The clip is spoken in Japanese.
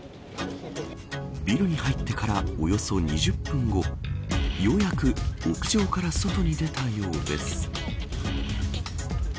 ビルに入ってからおよそ２０分後ようやく屋上から外に出たようです。